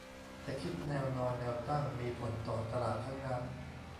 จะคิดแนวนอนแนวตั้ง มีผลต่อตลาดทั้งนั้น